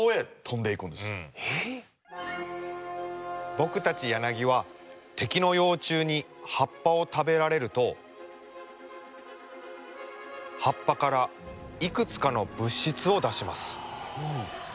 僕たちヤナギは敵の幼虫に葉っぱを食べられると葉っぱからいくつかの物質を出します。